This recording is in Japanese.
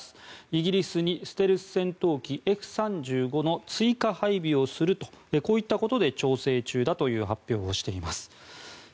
イギリスにステルス戦闘機Ｆ３５の追加配備をするとこういったことで調整中だという発表をしています。